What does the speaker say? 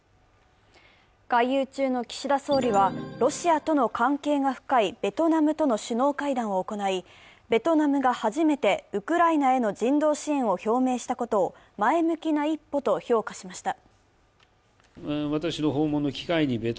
外遊中の岸田総理はロシアとの関係が深いベトナムとの首脳会談を行い、ベトナムが初めてウクライナへの人道支援を表明したことを前向きな一歩と評価しました。